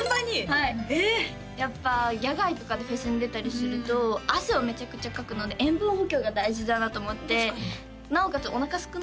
はいやっぱ野外とかでフェスに出たりすると汗をめちゃくちゃかくので塩分補給が大事だなと思ってなおかつおなかすくので